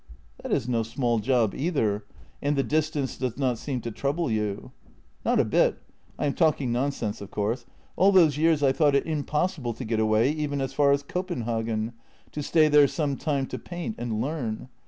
" That is no small job either — and the distance does not seem to trouble you." " Not a bit — I am talking nonsense, of course. All those years I thought it impossible to get away, even as far as Copen hagen, to stay there some time to paint and learn.